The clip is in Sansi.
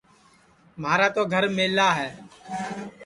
مھارا تو گھر میلا ہے